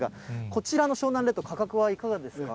こちらの湘南レッドの価格はいかがですか。